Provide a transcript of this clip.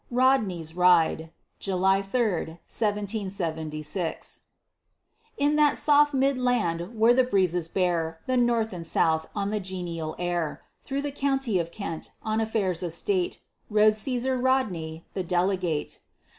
RODNEY'S RIDE [July 3, 1776] In that soft mid land where the breezes bear The North and South on the genial air, Through the county of Kent, on affairs of state, Rode Cæsar Rodney, the delegate.